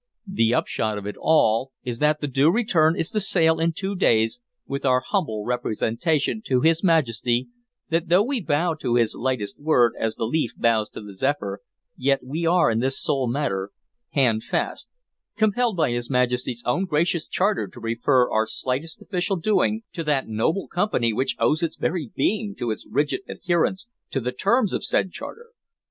The upshot of it all is that the Due Return is to sail in two days with our humble representation to his Majesty that though we bow to his lightest word as the leaf bows to the zephyr, yet we are, in this sole matter, handfast, compelled by his Majesty's own gracious charter to refer our slightest official doing to that noble Company which owes its very being to its rigid adherence to the terms of said charter.